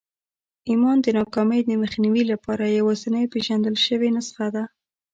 ايمان د ناکامۍ د مخنيوي لپاره يوازېنۍ پېژندل شوې نسخه ده.